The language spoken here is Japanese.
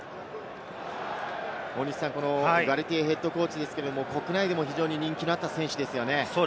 ガルティエＨＣですが、国内でも非常に人気のあった選手ですよね。